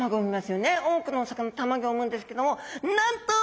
多くのお魚卵を産むんですけどもなんと！